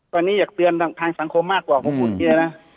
ตอนนี้อยากเตือนทางสังคมมากกว่าพวกคุณเคลียร์นะ